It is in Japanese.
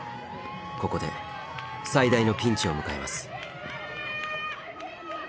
ここで最大のピンチを迎えます。